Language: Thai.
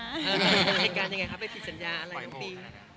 มันเป็นสัยการยังไงค่ะไปผิดสัญญาอะไรน้องปี